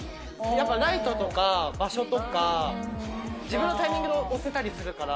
やっぱライトとか場所とか、自分のタイミングで押せたりするから。